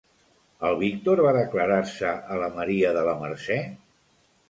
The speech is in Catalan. El Víctor va declarar-se a la Maria de la Mercè?